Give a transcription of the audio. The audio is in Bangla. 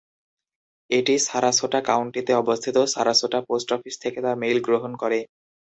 এটি সারাসোটা কাউন্টিতে অবস্থিত সারাসোটা পোস্ট অফিস থেকে তার মেইল গ্রহণ করে।